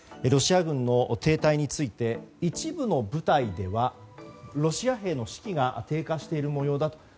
ロシア軍の停滞について一部の部隊ではロシア兵の士気が低下している模様だと。